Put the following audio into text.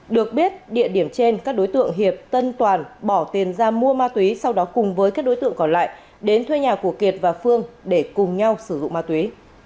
được biết địa điểm trên các đối tượng hiệp tân toàn bỏ tiền ra mua ma túy sau đó cùng với các đối tượng còn lại đến thuê nhà của kiệt và phương để cùng nhau sử dụng ma túy